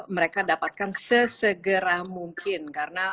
mereka dapatkan sesegera mungkin karena